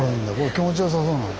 気持ちよさそうなの。